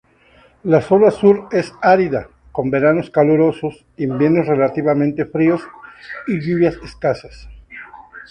La zona sur es árida, con veranos calurosos, inviernos relativamente fríos y lluvias escasas.